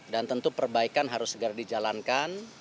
dan tentu perbaikan harus segera dijalankan